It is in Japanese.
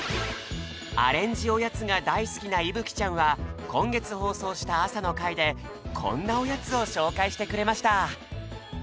アレンジおやつが大好きないぶきちゃんはこんげつ放送した朝の会でこんなおやつをしょうかいしてくれました